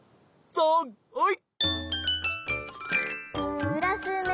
さんはい！